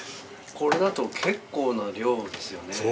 これだと結構な量ですよね。